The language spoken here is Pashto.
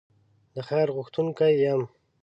د خیر غوښتونکی یم.